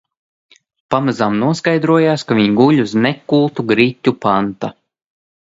Pamazām noskaidrojās, ka viņi guļ uz nekultu griķu panta.